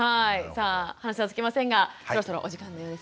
さあ話は尽きませんがそろそろお時間のようですね。